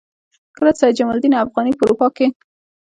کله چې سید جمال الدین افغاني په اروپا کې.